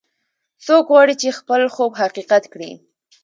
څوک غواړي چې خپل خوب حقیقت کړي